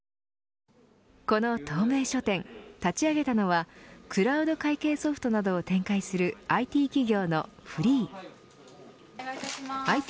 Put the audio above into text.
この透明書店立ち上げたのはクラウド会計ソフトなどを展開するＩＴ企業のｆｒｅｅｅＩＴ